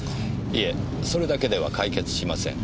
いえそれだけでは解決しません。